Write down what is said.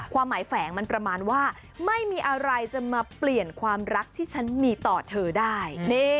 ความหมายแฝงมันประมาณว่าไม่มีอะไรจะมาเปลี่ยนความรักที่ฉันมีต่อเธอได้